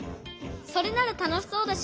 それならたのしそうだし